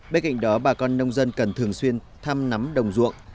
bên cạnh đó bà con nông dân cần thường xuyên thăm nắm đồng ruộng